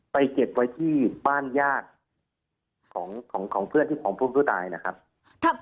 ไปเก็บไว้ที่บ้านญาติของเพื่อนที่ของเพื่อนผู้ตายนะครับ